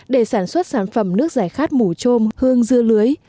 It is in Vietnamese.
để sản xuất sản phẩm nước giải khát mủ trôm hương dưa lưới